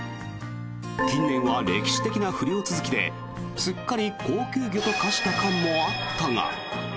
近年は歴史的な不漁続きですっかり高級魚と化した感もあったが。